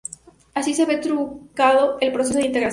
Así se ve truncado el proceso de integración.